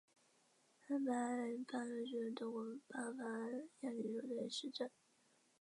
拜埃尔布伦是德国巴伐利亚州的一个市镇。